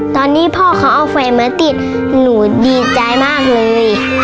ตอนนี้พ่อเขาเอาไฟมาติดหนูดีใจมากเลย